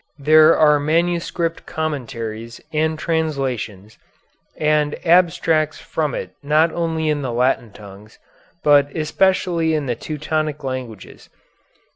There are manuscript commentaries and translations, and abstracts from it not only in the Latin tongues, but especially in the Teutonic languages.